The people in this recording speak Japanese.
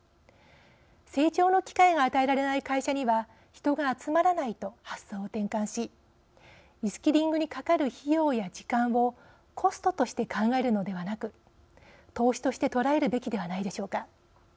成長の機会が与えられない会社には人が集まらないと発想を転換しリスキリングにかかる費用や時間をコストとして考えるのではなく投資として捉えるべきではないでしょうか。